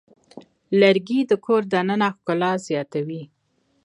لرګی د کور دننه ښکلا زیاتوي.